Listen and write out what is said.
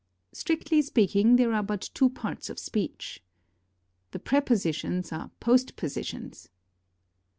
"Strictly speaking, there are but two parts of speech." "The prepositions are post positions."